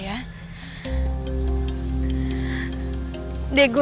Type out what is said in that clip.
tidak ada yang bisa dapetin mama kamu